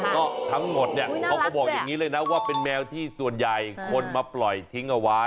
ก็ทั้งหมดเนี่ยเขาก็บอกอย่างนี้เลยนะว่าเป็นแมวที่ส่วนใหญ่คนมาปล่อยทิ้งเอาไว้